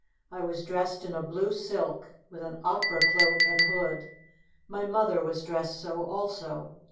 I was dressed in a blue silk, with an opera cloak and hood ; my mother was dressed so also.